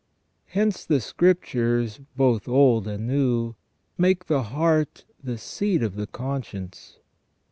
Hence the Scriptures, both Old and New, make the heart the seat of the conscience.